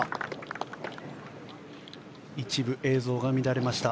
一部映像が乱れました。